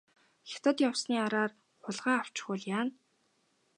Хятад явсны араар хулгай авчихвал яана.